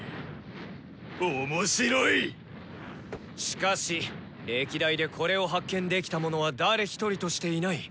しかし歴代でこれを発見できた者は誰一人としていない。